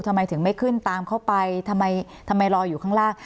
ทำไมถึงไม่ขึ้นตามเข้าไปทำไมรออยู่ข้างล่าง